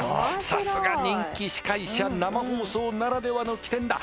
さすが人気司会者生放送ならではの機転だ